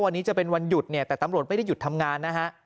วันนี้จะเป็นวันหยุดเนี่ยแต่ตำรวจไม่ได้หยุดทำงานนะฮะ